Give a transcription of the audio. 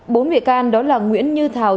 bốn bị can đó là nguyễn như thào